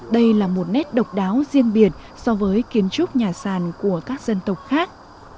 đây là một nét độc đáo riêng biệt so với kiến trúc nhà sàn của các dân tộc khác